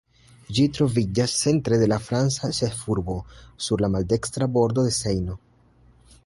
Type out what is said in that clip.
Ĝi troviĝas centre de la franca ĉefurbo, sur la maldekstra bordo de Sejno.